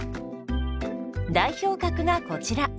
代表格がこちら。